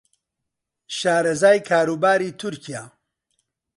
شارەزای کاروباری تورکیا